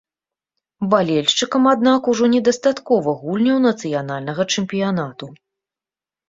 Балельшчыкам, аднак, ужо недастаткова гульняў нацыянальнага чэмпіянату.